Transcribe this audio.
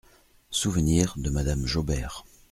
SOUVENIRS DE Madame JAUBERT.